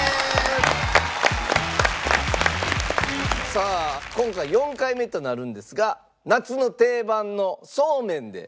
さあ今回４回目となるんですが夏の定番のそうめんで行いたいと。